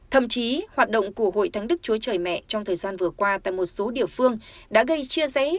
thậm chí hoạt động của hội thánh đức chúa trời mẹ trong thời gian vừa qua tại một số địa phương đã gây chia rẽ